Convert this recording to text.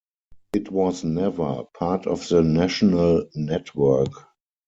It was never part of the national network.